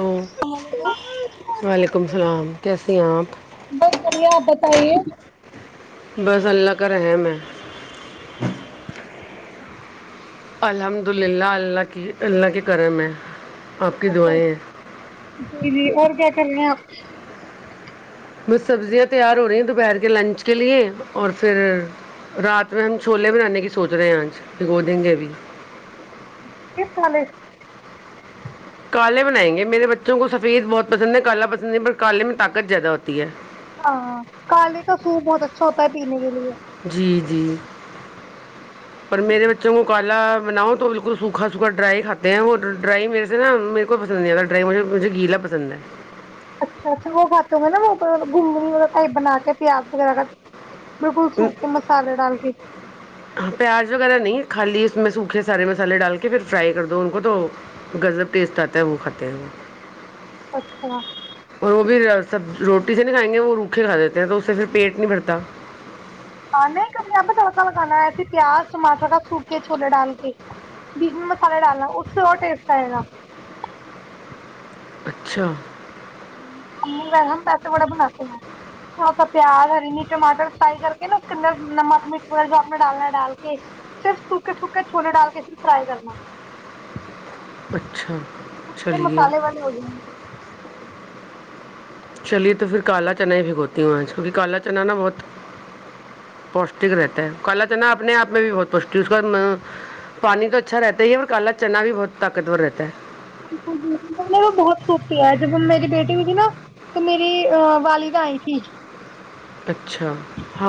hello وعلیکم السلام کیسی ہیں آپ بس بڑھیا آپ بتائیے [inaudible] بس اللہ کر رہم ہاں [inaudible] الحمد للہ اللہ کی اللہ کے کرم میں اچھا اچھ جی جی اور کیا [inaudible] نیہ آپ [inaudible] بس سبزیاں تیار ہو رہی ہیں دوپہر کے لنچ کے لیے اور پھر رات میں ہم چھولے بنانے کی سوچ رہے ہیں آج پو دیں گے بھی کال [inaudible] کالے بنائیں گے میرے بچوں کو سفید بہت پسند ہے کالا پسند ہے پر کالے میں طاقت زیادہ ہوتی ہے ہاں کالے کا سوپ بہت اچھا ہوتا ہے پینے کے لیے جی جی جی پر میرے بچوں کو کالا بناؤ تو بالکل سوکھا سوکھا ڈرائی کھاتے ہیں اور ڈرائی میرے سے نا میرے کو پسند نہیں آا ڈرائی مجھے مجھے گیلا پسند ہے اچھا اچھا وہ باتوں میں نا وہ گگنی م ٹائپ بنا کے پیاز وغیرہ کا بالکل سوپ کے مسالے ڈال کے ہاں پیاز وغیرہ نہیں خالی اس میں سوکھے سارے مسالحے ڈال کے پھر فرائی کر دو ان کو تو گذب ٹیسٹ آتا ہے وہ کھاتے ہیں وہ اچھا [inaudible] اور وہ بھی سب روٹی سے نہیں کھائیں گے وہ روکھے کھا دیتے ہیں تو اس سے پھر پیٹ نہیں بھرتا ہاں نہیں اپنے آپ پہ تڑکا لگانا ہے ایسے پیاز ٹماٹر کا سوکھ کے چھوولے ڈال کے بیجن مسالے ڈالنا اس سے اور ٹیسٹ آئے گا اچھا [inaudible] امی و ہم پیسے بڑا بناتے ہیں تھوڑا سا پیاز ہرینی ٹماٹر فرائی کر کے نا اس کے اندر نمک مرچ وغہ جو آپ نے ڈالنا ہے ڈال کے صرف سوکھکے سوکھے چھولے ڈال کے پھر فرائی کرنا اچھا وہ سارے چلیے مسالے والے ہو جائیں گے چلیے تو پھر کالا چنا ہی بھگوتی ہوں کیونکہ کالا چنا نا بہت پوشٹک رہتا ہے کالا چنا اپنے آپ میں بھی بہت پوشٹ اس کا پانی تو اچھا رہتا ہی اور کالا چنا بھی بہت طاقتور رہتا ہے بالکل بالکل میں نے وہ بہت سوکھ کیا ہے جب میری بیٹی ہوئی تھی نا تو میری والدہ آئی تھی اچھا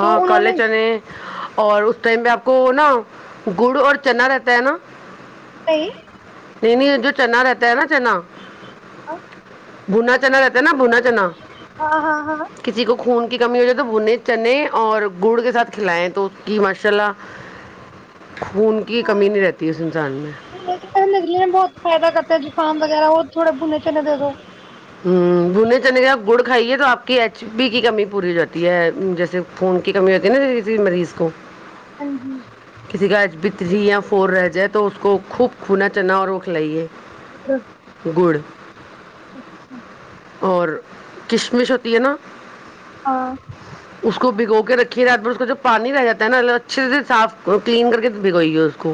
تو انہوں کل نے چنے اور اس ٹائم میں آپ کو نا گڑ اور چنا رہتا ہے نا نہیںئی نہیں نہیں جو چنا رہتا ہے نا چنا آ [inaudible] بنا چنا نا بنا چنا ہاں ہاں کسی کو خون کی کمی ہو جائے تو بھنے چنے اور گڑ کے ساتھ کھلیں تو اس کی ماشاء اللہ خون کی ہاں کمی نہیں رہتی اس انسان میں بول پ نکلیا نے بہت فائد کرتا خان وغیرہ وہ تھوڑے بنے چنے دے دو ہ بھنے چنے کے آپ گڑ کھائیے تو آپ کی ایچ پی کی کمی پوری ہو جاتی ہے جیسے خون کی کمی ہوتی ہے نا کسی مریض کو ہاں جی [inaudible] بتری یا پور رہ جائے تو اس کو خوب کھونا چنا اور روکھ لائیے گڑ [inaudible] اچھا اور کشمش ہوتی ہے نا ہاں اس کو بگو کے رکھی پ رات میں اس کو جو پانی رہ جاتا ہے نا اچھے سے صاف کلین کر کے بھگوئیے اس کو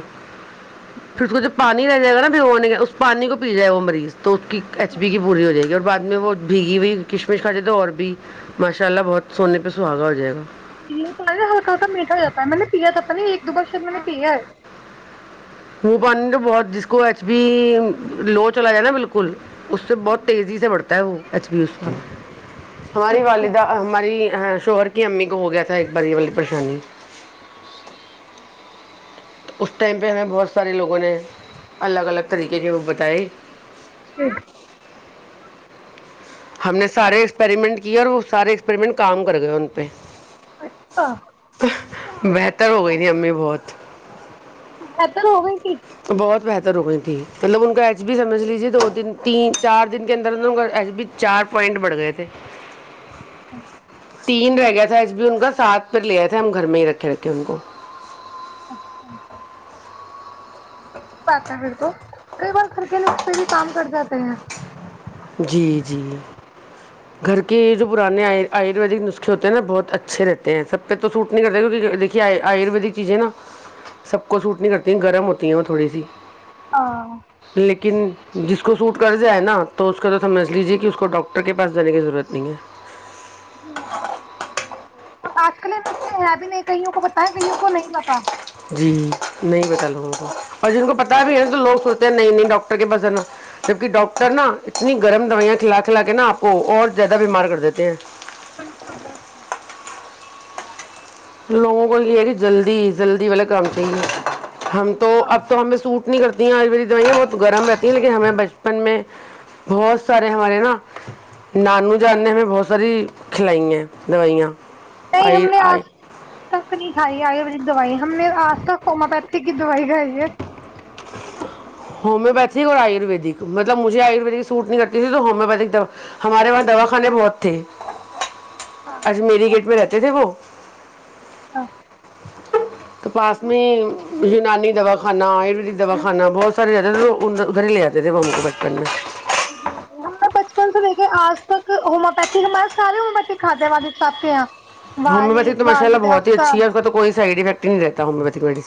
پھر اس کو جو پانی رہ جائے گا نا بھگونے کا اس پانی کو پی جائے وہ مریض تو اس کی ایچ بیی کی پوری ہو جائے گی اور بعد میں وہ بھیگی بھیئی کشمش کھا جائے تو اور بھی ماشاء اللہ بہت سونے پہ سہاگا ہو جائے گا یہ ہلکاکا میٹا ہو جاتا ہے میں نے پیا تھا پتا نہیں ایک دو بار شد میں نے پیا ہے مہ پانی بہت جس کو ایچ بی لو چلا جائے نا بالکل اس سے بہت تیزی سے بڑھتا ہے وہ ایچ بی ہماری والدہ اچھا ہماری شہر کی امی کو ہو گیا تھا ایک باری والی پریشانی تو اس ٹائم پہ ہمیں بہت سارے لوگوں نے الگ الگ طریقے کے وہ بتائی اٹ ہم نے سارے ایکسپریمنٹ کیے اور وہ سارے ایکسپریمنٹ کام کر گئے ان پہ اچھا بہتر ہو گئی ت امی بہت بہتر ہو گئی کہ بہت بہتر ہو گئی تھیں مطلب ان کا ایچ بی سمجھ لیجیے دو دن تین چار دن کے اندر اندر ان کا ایچ بی چار پوائنٹ بڑھ گئے تھے [inaudible] تین رہ گیا تھا ایس بی ان کا سات پھر لے آئے تھے ہم گھر میں ہی رکھے رکھے ان کو [inaudible] [unintelligible] تو کئی بار گھر کے نک سے بھی کام کٹ جات [inaudible] جی جی گھر کے جو پرانے آیورویدک نسخے ہوتے ہیں نا بہت اچھے رہتے ہیں سب پہ تو سوٹ نہیں کرتے کیکہ دیکھیے آیورویدک چیزیں نا سب کو سوٹ نہیں کرتی گرم ہوتی ہیں وہ تھوڑی سی [inaudible] لیکن جس کو سوٹ کر د ہے نا تو اس کا رط سجھ لیجیے کہ اس کو ڈاکٹر کے پاس جانے کی ضرورت نہیں ہے جی جی بالکل بالکل اور آج کلے نتے ہے بھی نہیں کئیوں کو پتا ہے کئیوں کو نہیں پتا جی نہیں پتا لوگوں کو اور جن کو پتا بھی ہےا تو لوگ سوچتے ہیں نہیں نہیں ڈاکٹر کے پاس ہے نا جبک ڈاکٹر نا اتنی گرم دوائیاں کھلا کھلا کے نا آپ کو اور زیادہ بیمار کر دیتے ہیں بالکل بالکل لوگوں کو نہیں ہے کہی جلدی جلی والا کام چاہیے ہم تو ہاں اب تو ہمیں سوٹ نہیں کرتی آروی دوائیا وہت گم رہتی لیکن ہمیں بچپن میں بہت سارے ہمارے نا نانو جان نے ہمیں بہت ساری کھلائی ہیں دوائیاں نہیں آئی ہم نے آئی آج تک نہیں کھائی آیورویدک دوائی ہم نے آج تک ہومیو پیتھی کی دوائی کھائی ہے ہومیوپیتھک اور آیورویدک مطلب مجھے آیورویدک سوٹ نہیں کرتی تھی تو ہومیو پیتھک ہمارے وہاں دواخانے بہت تھے ہاں آج میری گیٹ میں رہتے [unintelligible] ہاں تو پاس میں نہیں یونانی دا خانا آیورویدک دا خانا بہت سار لتے تھے ل ادھر ادھر ہی لےتے تھے م کے بچپن میں یک آج تک ہومیوپیتک ہمارے سے ہووتک کادے والادد ح ساب کے ہیں ہومیوپیتھی تو مشء ال بہت اچھی ہے اس کا تو کوئی سائڈفیکٹ نہیں رہتا ہومیویتھ والی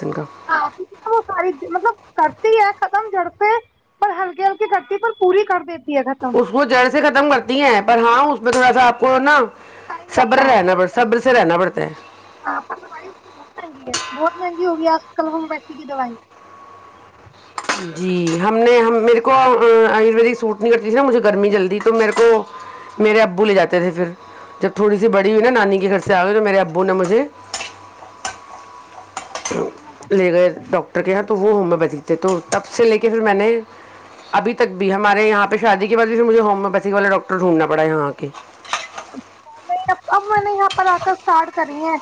ہاں کیونکہ نہ وہ ساری مطلب کرتی ہے ختم جڑتے پر ہلکی ہلکی کرتی پر پوری کر دیتی ہے ختم اس کو جڑ سے ختم کرتی ہیں پر ہاں اس میں کا تھا آپ کو نا ٹائم سبر رہنا پرڑ سبر سر نہا بڑتے ہیں ہاںائی اس بہت مہنگی ہے بہت مہنگی ہوگی آج کل ہوم ویسی کی دوائی جی ہم نے ہم میرے کو آ مری سوٹ نہیں کرتی تھی نا مجھے گرمی جلدی تو میرے کو میرے ابو لے جاتے تھے پھر جب تھوڑی سی بڑی ہوئی نا نانی کے گھر سے آ گئے تو میرے ابو نے مجھے ہومیوپیتھی لے کی گئے دوائی ڈاکٹر کے یہاں تو وہ ہومیو پیتھ تھے تو تب سے لے کے پھر میں نے ابھی تک بھی ہمارے یہاں پہ شادی کے بعد پھر مجھے ہومیوپیتھی والے ڈاکٹر ڈھونڈنا پڑا یہاں کے اب میں نے یہاں پر آ کر اسٹارٹ کری ہے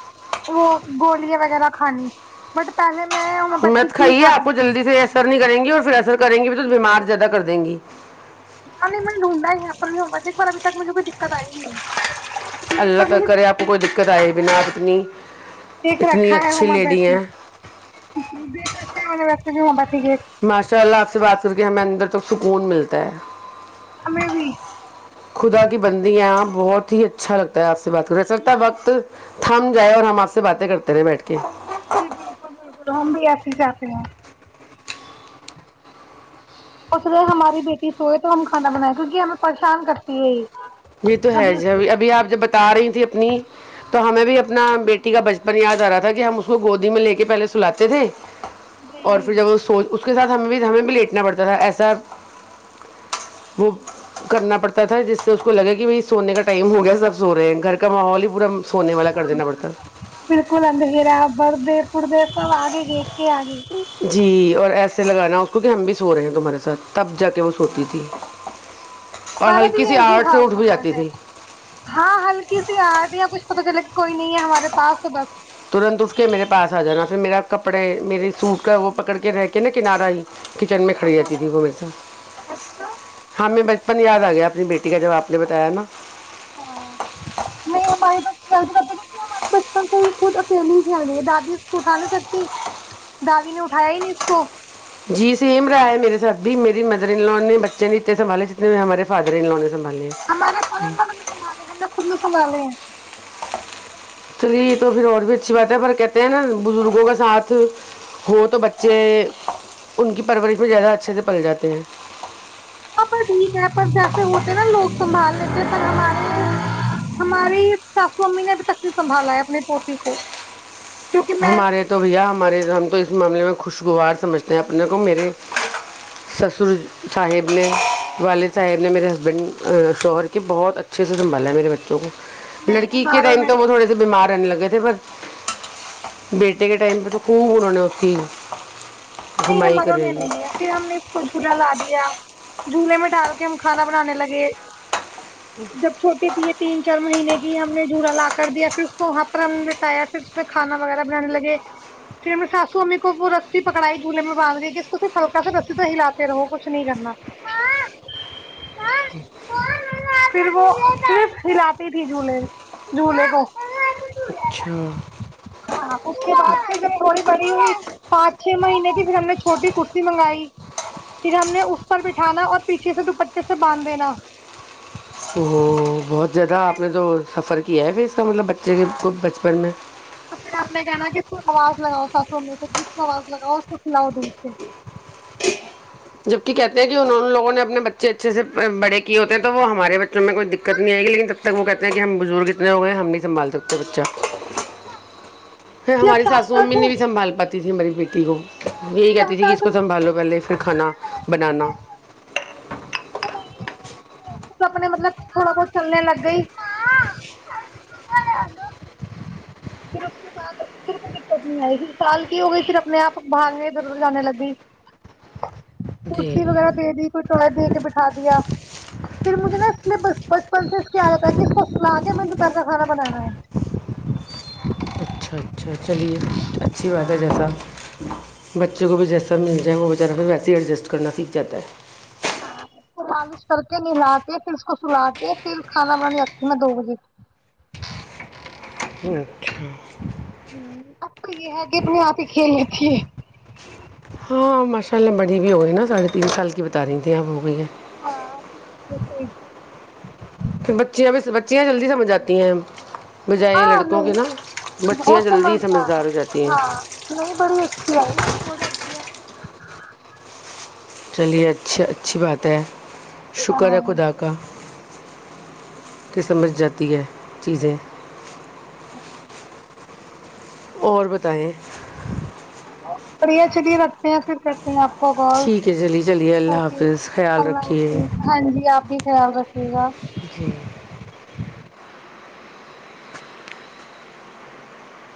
وہ گولیاں وغیرہ کھانی بٹ پہلے میں ہومیوپیتھی مت کی کھائیے آپ کھاتی کو تھی جلدی سے ایسر نہیں کریں گے اور پھر اثر کریں گے بھی تو بیمار زیادہ کر دیں گی ہاں نہیں میں نے ڈھونڈا ہی یہاں پر بھی ب ابھی تک مجھے کوئی دقت آئی نہیں ہے اللہ پر تک مجھے کرے آپ کوئی دقت آئے ب نا آپ اپنی دیکھ رکھا ہے ہومیوپیتھی دیکھ ر ویسے بھی ہو ٹھیک ہے ا شاء اللہ آپ سے بات کر کے ہمیں اندر تک سکون ملتا ہے ہمیں بھی خدا کی بنند ہے بہت ہی اچھا لگتا ہے آپ سے بات کریں سرتا وقت تھم جائے اور ہم آپ سے باتیں کرتے رہے بیٹھ کے جی بالکل بالکل ہم بھی ای ہی چاہتے ہیں اس نےے ہماری بیٹی سوئے تو ہم کھانا بنائے کیونکہ ہمیں پریشان کرتی ہے ہی یہ تو ہے ج اب ابھیپب بتا رہی تھی اپنی تو ہمیں بھی اپنا بیٹی کا بچپن یاد آ رہا تھا کہ ہم اس کو گودی میں لے کے پہلے سلاتے تھے اور پھر جب سوچ اس کے ساتھ ہمیں بھی ہمیں بھی لیٹنا پڑتا تھا ایسا وہ کرنا پڑتا تھا جس سے اس کو لگا کہ بھائی سونے کا ٹائم ہو گیا سب سو رہے گ کا ماحول ہی پورا سونے والا کر دینا پڑتا بالکل اندھیرا برد پڑتے نا آگ گ جی اور ایسے لگانے اس کو ہم بھی سو رہ ہیں تمہارے سھ ہ اور ہمارا بھی ہلکی سی یہ یہی آہٹ سے حال اٹھ بھی رہا جاتی ہے تھی ہاں ہلکی سی آدیا کچھ پت چلا گ کوئی نہیں ہے ہمارے پاس تو بس ترنت اٹھ کے میرے پاس آ جانا پھر میرا کپڑے میرے سوٹ کا وہ پکڑ کے رہ کے نا کنارہ ہی کچن میں کھڑی جاتتی تھی وہ میر س اچھا ہاں میں اپن یاد آ گیا اپنی بیٹی کا جب آپ نے بتایا نا ہاں نہیں ہمارے بتے کیک ہمارے بچپن سے ہی خود اکیلی ہی کھیل رہی ہے دادی اس کو اٹھا نہیں سکتی دادی نے اٹھایا ہی نہیں اس کو جی سیم رائے ہے میرے ساتھی میری مدر ان ل نے بچے نے اتنے سنبالے جتنے ہمارے فادر ان ل نے سنبھالے ہیں ہمارے ک سنبھالے ہم نے خ سبے ہیں چھر یہ تو پھر اور بھی اچھی بات ہے پر کہتے ہیں نا بزرگوں کا ساتھ ہو تو بچے ان کی پرورش میں زیادہ اچھے سے پل جاتے ہیں ہاں پر ٹھیک ہے پر جیسے ہوتے نا لوگ سنبھال لیتے پر ہم ہماری ساسو امی نے ابھی تک نہیں سنبھالا ہے اپنی پوٹی کو کیونکہ میں ہمارے تو بھیا ہمارے ہم تو اس معاملے میں خوشگوار سمجھتے ہیں اپنے کو میرے سسر صاحب نے والد صاحب نے میرے ہسبینڈ شوہر کے بہت اچھے سے سنبھالا ہے میرے بچوں کو نہیں لڑکی کے ہماروں ٹائم نے تو وہ تھوڑے سے بیمار رہنے لگا کہتےے پر بیٹے کے ٹائم پہ تو خوں ہونہ نے اتی نہیں ہماروں میں نہیں ہے پھر ہم نے اس کو جھولا لا دیا جولے میں ڈال کے ہم کھانا بنانے لگے جب چھوٹے تھے تین چار مہینے کے ہم نے جورا لا کر دیا پھر اس کو وہاں پر ہم نے لٹایا پھر اس میں کھا وغیرہ بنانے لگے پھر ہم سسو امی کو وہ رسی پکڑائی گی جولے میں باندھ گئے کہ اس کو ص ہلکا سے رسی سے ہلاتے رہو کچھ نہیں کرنا پھر وہ صرف ہلاتی تھی جھولے جھولے کو اچھا ہاں ا آ تھی پ پانچ چھ مہینے پھر ہم نے چھوٹی کرسی منگائی پھر ہم نے اس پر بٹھانا اور پیچھے سے دوپٹٹے سے باندھ دینا ا بہت زیادہ آپ پھر نے تو سفر کی ہے پھر مطلب بچے بچپن میں تو پھر آپ نے کہنا کہ اس کو آواز لگاؤ ساسو میں سے جس کو آواز لگاؤ اس کو کھلاؤ دو اسے جب کہتے ہیں کہ ان لوگوں نے اپنے بچے اچھے سے بڑے کی ہوتے ہیں تو وہ ہمارے بچوں میں کوئی دقت نہیں آئے گ لیکن تب تک وہ کہتے ہیں کہ ہم بزرگ اتنے ہوئے ہیں ہم سنبال سکتے بچا پ یا ہماری سات ساسو امی آٹھ نے ہو بھی سنبھال پاتی تھی ہماری بیٹی تیھ یہی کہتی سات ت کہ اس آٹھ کو سنبالو پہلے پھر کانا بنانا اپنے مطلب تھوڑا بہت چلنے لگ گئی [inaudible] پھر اس کے بعد پھر کوئی دقت نہیں آئی سال کی ہو گئی پھر اپنے آپ بھاگنے ادھر ادھر جانے لگی جی کرسی وغیرہ دے دی کوئی ٹوالٹ دے کے بٹھا دیا پھر مجھے نا اسے بچپن سے کیادتا ہے کہ اس کو سلا کے دوپہرہ کھانا بنانا ہے اچھا اچھا چلیے اچھی بات ہے جیسا بچے کو بھی جیسا مل جائے وہ بچارہ پھر ویسے ہی ایڈجسٹ کرنا سیکھ جاتا ہے اس کو لالش کر کے نلا کے پھر اس کو سلا کے پھر کھانا بننے لگتی ہ میں دو بجے اچھا ہ اب تو یہ ہے کہ اپنے آپ ہی کھیل لی تے پہلےڑی ہو گئی نا ساڑھے تین سال بتا رہی تھھی اب ہو گئی ہے ہاں پھر بچیاں بھی بچیاں جلدی سمجھ آتی ہیں بجائے ہاں لڑکوں نہیں کے نا بچیاں بہت جلدی سمجھدار ہے ہو جاتی ہیں ہاں نہیں بڑی اچھی آ سو جاتی چلیے اچھی اچھی بات ہے شکر ہے ہاں خدا کا کہ سمجھ جاتی ہے چیزیں ہ اور بتائیں پریا چلیے رکھتے ہیں پھر کر آپ کو کال ٹھیک ہے چلیے چلیے اللہ اک حافظ خیال اللہ رکھیے حافظ ہاں جی آپ بھی خ جی